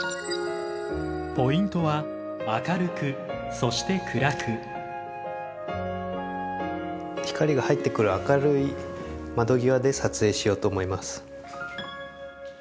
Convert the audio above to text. ポイントは光が入ってくる明るい窓際で撮影しようと思います。